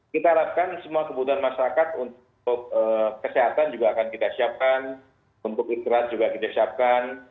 kita harapkan semua kebutuhan masyarakat untuk kesehatan juga akan kita siapkan untuk istirahat juga kita siapkan